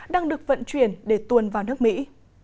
đang được vận chuyển để tuôn vào nước mỹ